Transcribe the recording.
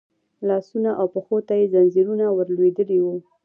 لاسونو او پښو ته يې ځنځيرونه ور لوېدلي وو.